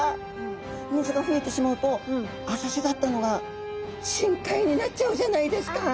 水が増えてしまうと浅瀬だったのが深海になっちゃうじゃないですか。